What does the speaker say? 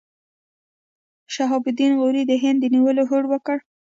شهاب الدین غوري د هند د نیولو هوډ وکړ.